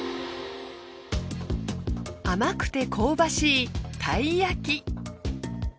甘くて香ばしいたい焼き。